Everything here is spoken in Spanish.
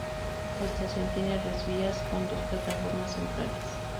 La estación tiene res vías con dos plataformas centrales.